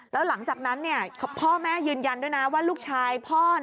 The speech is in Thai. แล้วหลังจากนั้นพ่อแม่ยืนยันด้วยนะว่าลูกชายพ่อ